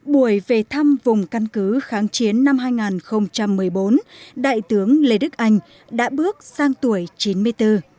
buổi về thăm vùng căn cứ kháng chiến năm hai nghìn một mươi bốn đại tướng lê đức anh đã bước sang tuổi chín mươi bốn